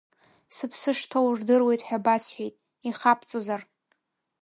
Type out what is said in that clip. Сыԥсы шҭоу рдыруеит ҳәа басҳәеит, ихабҵозар.